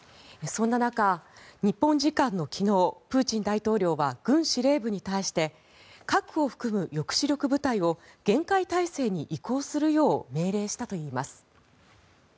そんな中、日本時間の昨日プーチン大統領は軍司令部に対して核を含む抑止力部隊を厳戒態勢に移行するよう命令したといいます。